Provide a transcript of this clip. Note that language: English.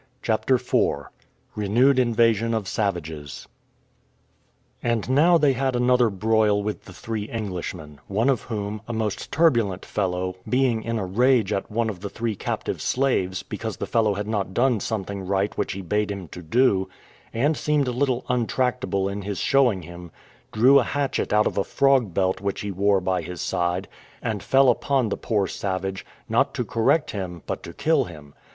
CHAPTER IV RENEWED INVASION OF SAVAGES And now they had another broil with the three Englishmen; one of whom, a most turbulent fellow, being in a rage at one of the three captive slaves, because the fellow had not done something right which he bade him do, and seemed a little untractable in his showing him, drew a hatchet out of a frog belt which he wore by his side, and fell upon the poor savage, not to correct him, but to kill him.